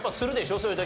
そういう時。